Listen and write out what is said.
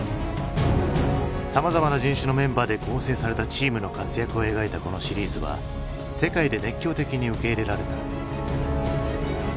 さまざまな人種のメンバーで構成されたチームの活躍を描いたこのシリーズは世界で熱狂的に受け入れられた。